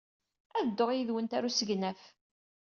Ad dduɣ yid-went ɣer usegnaf.